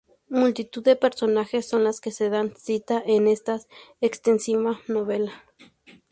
Multitud de personajes son los que se dan cita en esta extensísima novela.